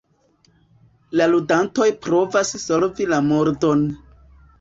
La ludantoj provas solvi la murdon.